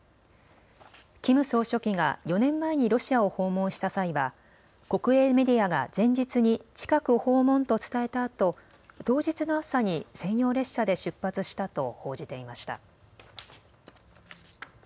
キム総書記が４年前にロシアを訪問した際は国営メディアが前日に近く訪問と伝えたあと当日の朝に専用列車で出発したと報じていました。